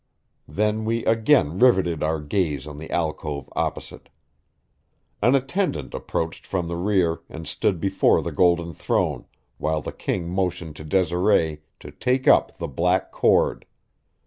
Then we again riveted our gaze on the alcove opposite. An attendant approached from the rear and stood before the golden throne, while the king motioned to Desiree to take up the black cord.